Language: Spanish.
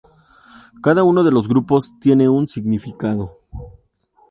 Cada uno de los grupos tiene un significado.